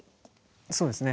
そうですね。